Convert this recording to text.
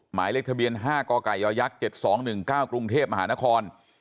หมายเลขทะเบียน๕กกย๗๒๑๙กรุงเทพมหานคร